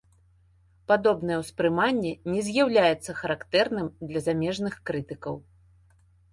Падобнае ўспрыманне не з'яўляецца характэрным для замежных крытыкаў.